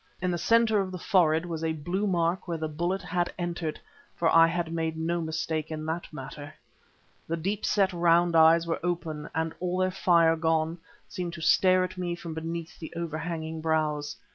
In the centre of the forehead was a blue mark where the bullet had entered, for I had made no mistake in that matter. The deep set round eyes were open and, all their fire gone, seemed to stare at me from beneath the overhanging brows.